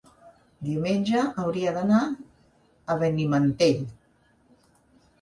Diumenge hauria d'anar a Benimantell.